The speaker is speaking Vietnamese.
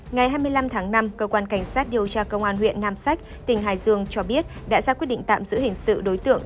ngày hai mươi năm tháng năm cơ quan cảnh sát điều tra công an huyện nam sách tỉnh hải dương cho biết đã ra quyết định tạm giữ hình sự đối tượng